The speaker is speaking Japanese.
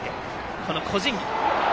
この個人技。